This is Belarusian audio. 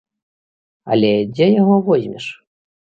Але дзе яго возьмеш?